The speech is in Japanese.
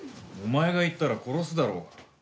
お前が行ったら殺すだろ。